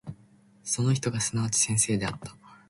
その人がすなわち先生であった。